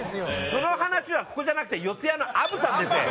その話はここじゃなくて四谷のあぶさんでせえ！